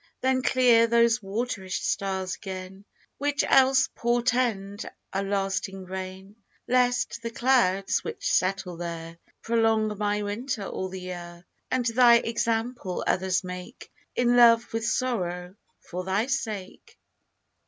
Then clear those waterish stars again, Which else portend a lasting rain; Lest the clouds which settle there Prolong my winter all the year, And thy example others make In love with sorrow, for thy sake.